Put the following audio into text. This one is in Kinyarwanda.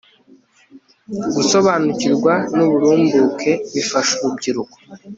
gusobanukirwa n uburumbuke bifasha urubyiruko